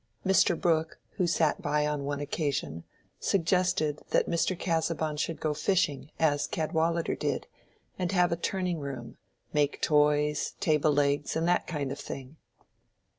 Mr. Brooke, who sat by on one occasion, suggested that Mr. Casaubon should go fishing, as Cadwallader did, and have a turning room, make toys, table legs, and that kind of thing.